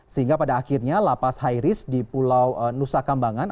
sehingga pada akhirnya lapas high risk di pulau nusa kambangan